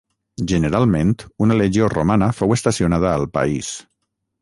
Generalment una legió romana fou estacionada al país.